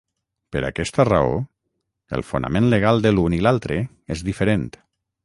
Per aquesta raó, el fonament legal de l’un i l’altre és diferent.